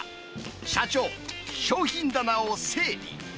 社長、商品棚を整理。